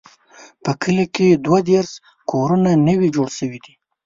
په کلي کې دوه دیرش کورونه نوي جوړ شوي دي.